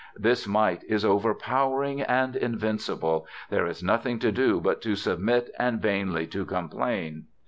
This might is overpowering and invincible. There is nothing to do but to submit and vainly to complain.